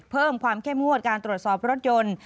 เพิ่มความเข้มงวดการตรวจสอบรถยนต์